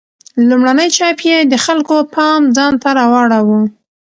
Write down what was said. لومړنی چاپ یې د خلکو پام ځانته راواړاوه.